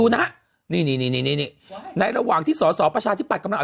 นะนี่นี่นี่นี่นี่ในระหว่างที่สสประชาที่ปรับกำลังอธิ